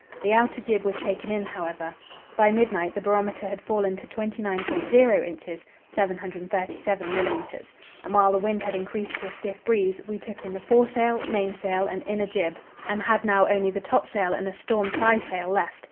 The outer jib was taken in, however. By midnight the barometer had fallen to 29.0 inches (737 millimetres), while the wind had increased to a stiff breeze. We took in the foresail, mainsail, and inner jib, and had now only the topsail and a storm trysail left.